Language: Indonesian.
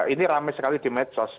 ini ramai sekali di medsos